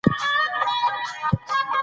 دوی ملالۍ ته ځواب ورکاوه.